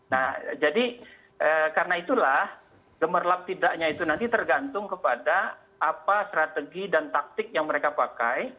nah jadi karena itulah gemerlap tidaknya itu nanti tergantung kepada apa strategi dan taktik yang mereka pakai